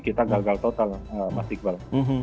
kita gagal total masih kebal